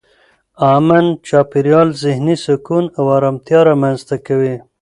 امن چاپېریال ذهني سکون او ارامتیا رامنځته کوي.